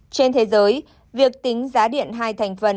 trên thế giới việc tính giá điện hai thành phần